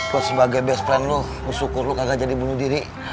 lu sebagai bestfriend lu gue syukur lu gak jadi bunuh diri